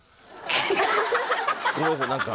ごめんなさい何か。